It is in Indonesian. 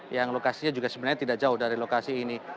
yang lokasinya juga sebenarnya tidak jauh dari lokasi ini